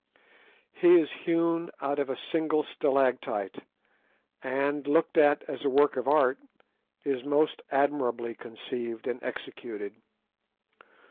He is hewn out of a single stalactite, and, looked at as a work of art, is most admirably conceived and executed.